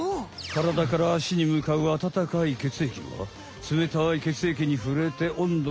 からだからあしにむかうあたたかい血液はつめたい血液にふれておんどがさがる。